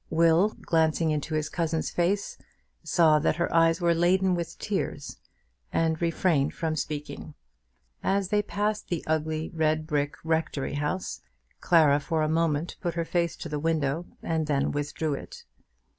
Will, glancing into his cousin's face, saw that her eyes were laden with tears, and refrained from speaking. As they passed the ugly red brick rectory house, Clara for a moment put her face to the window, and then withdrew it.